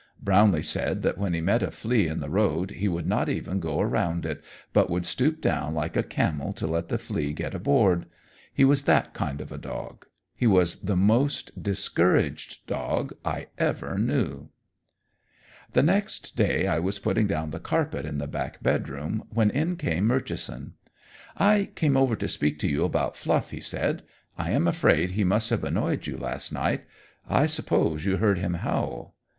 Brownlee said that when he met a flea in the road he would not even go around it, but would stoop down like a camel to let the flea get aboard. He was that kind of a dog. He was the most discouraged dog I ever knew. The next day I was putting down the carpet in the back bedroom, when in came Murchison. "I came over to speak to you about Fluff," he said. "I am afraid he must have annoyed you last night. I suppose you heard him howl?"